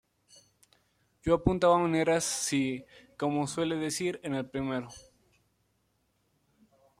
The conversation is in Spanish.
Ya apuntaba maneras, sí, como se suele decir, en el primero.